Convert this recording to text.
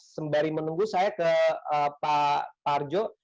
sembari menunggu saya ke pak parjo